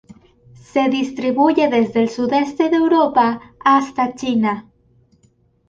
Se distribuye desde el sudeste de Europa hasta China.